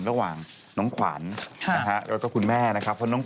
ระหว่างน้องขวัญนะฮะแล้วก็คุณแม่นะครับ